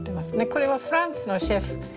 これはフランスのシェフから特別。